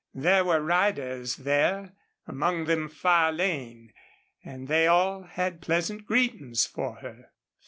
There were riders there, among them Farlane, and they all had pleasant greetings for her.